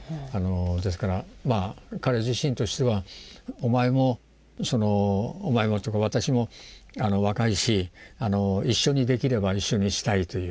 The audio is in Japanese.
ですから彼自身としてはお前もお前もというか私も若いし一緒にできれば一緒にしたいという。